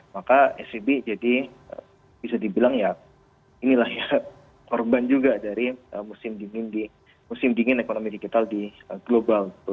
maka svb jadi bisa dibilang ya inilah ya korban juga dari musim dingin ekonomi digital di global